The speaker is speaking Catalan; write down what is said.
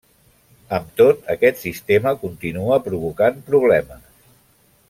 Amb tot, aquest sistema continua provocant problemes.